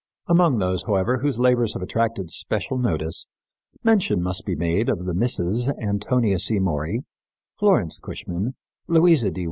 Among those, however, whose labors have attracted special notice, mention must be made of the Misses Antonia C. Maury, Florence Cushman, Louisa D.